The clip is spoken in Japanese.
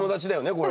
これ。